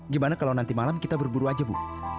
gimana kalau nanti malam kita berburu aja bu